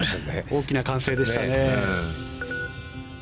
大きな歓声でしたね。